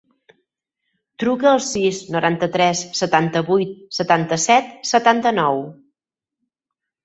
Truca al sis, noranta-tres, setanta-vuit, setanta-set, setanta-nou.